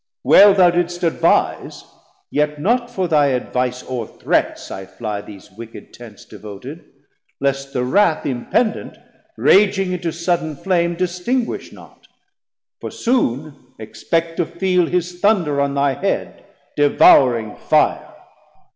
Well thou didst advise, Yet not for thy advise or threats I fly These wicked Tents devoted, least the wrauth Impendent, raging into sudden flame Distinguish not: for soon expect to feel His Thunder on thy head, devouring fire.